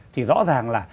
thì rõ ràng là